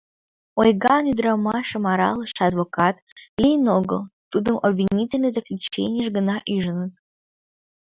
Ойган ӱдырамашым аралыше, адвокат, лийын огыл, тудым обвинительный заключенийыш гына ӱжыныт.